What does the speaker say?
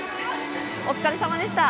お疲れさまでした。